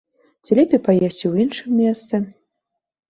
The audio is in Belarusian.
Ці лепей паесці ў іншым месцы.